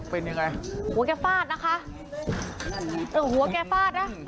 เป็นยังไงหัวแกฟาดนะคะเออหัวแกฟาดนะ